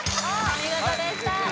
お見事でした